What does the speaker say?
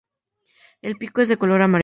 El pico es de color amarillo.